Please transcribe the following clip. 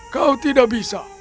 kau tidak bisa